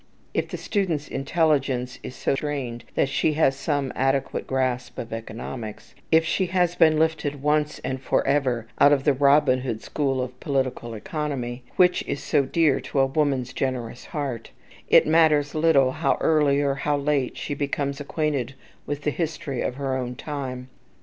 If the student's intelligence is so trained that she has some adequate grasp of economics, if she has been lifted once and forever out of the Robin Hood school of political economy, which is so dear to a woman's generous heart, it matters little how early or how late she becomes acquainted with the history of her own time.